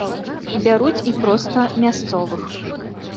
Бяруць і проста мясцовых.